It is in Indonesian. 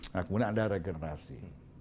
nah kemudian ada regenerasi